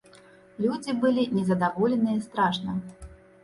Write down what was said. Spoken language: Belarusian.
Людзі былі незадаволеныя страшна.